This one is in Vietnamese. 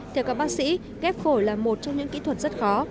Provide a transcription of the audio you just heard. theo các bác sĩ ghép phổi là một trong những kỹ thuật rất khó